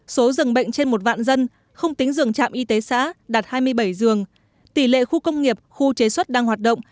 số dường bệnh trên một vạn dân không tính giường trạm y tế xã đạt hai mươi bảy giường tỷ lệ khu công nghiệp khu chế xuất đang hoạt động